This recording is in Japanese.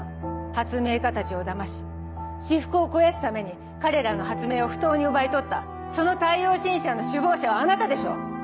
発明家たちをだまし私腹を肥やすために彼らの発明を不当に奪い取ったその太陽新社の首謀者はあなたでしょう？